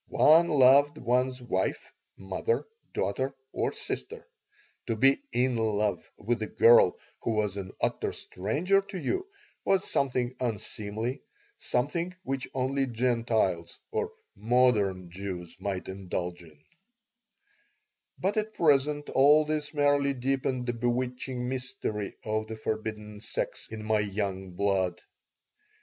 One loved one's wife, mother, daughter, or sister. To be "in love" with a girl who was an utter stranger to you was something unseemly, something which only Gentiles or "modern" Jews might indulge in But at present all this merely deepened the bewitching mystery of the forbidden sex in my young blood.